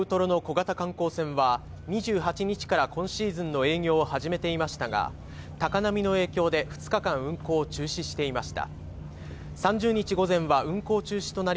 斜里町ウトロの小型観光船は２８日から今シーズンの営業を始めていましたが、高波の影響で２日間運航を中止していました。